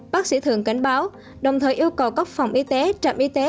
bác sĩ thường cảnh báo đồng thời yêu cầu các phòng y tế trạm y tế